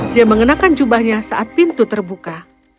dia mengenakan jubahnya saat pintu terbuka